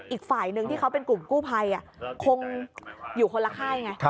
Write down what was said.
อีกฝ่ายหนึ่งที่เขาเป็นกลุ่มกู้ภัยคงอยู่คนละค่ายไง